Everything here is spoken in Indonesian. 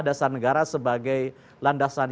dasar negara sebagai landasan